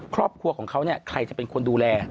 ครอบครัวของเขาเนี่ยใครจะเป็นคนดูแล